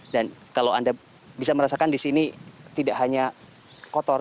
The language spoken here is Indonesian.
dan kalau anda bisa merasakan di sini tidak hanya kotor